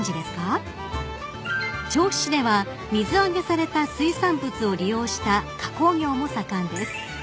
［銚子市では水揚げされた水産物を利用した加工業も盛んです］